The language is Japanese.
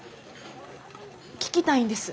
聞きたいんです。